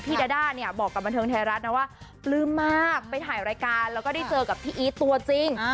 ดาด้าเนี่ยบอกกับบันเทิงไทยรัฐนะว่าปลื้มมากไปถ่ายรายการแล้วก็ได้เจอกับพี่อีทตัวจริง